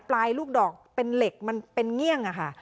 ปลายลูกดอกเป็นเหล็กมันเป็นเงี่ยงอะค่ะ